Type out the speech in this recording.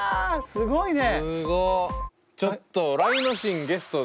すごいね。